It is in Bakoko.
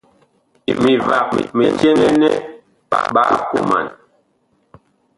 Mivag mi cɛŋɛ nɛ ɓaa koman.